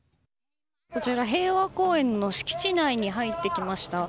こちら、平和公園の敷地内に入ってきました。